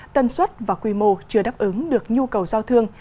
tân suất và quy mô chưa đáp ứng được nhu cầu giao thương